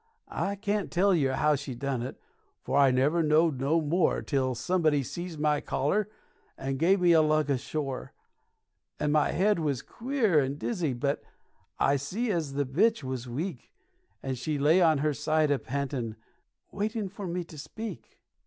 I can't tell yer 'ow she done it, for I never knowed no more Till somebody seized my collar, and give me a lug ashore; And my head was queer and dizzy, but I see as the bitch was weak, And she lay on her side a pantin', waitin' for me to speak.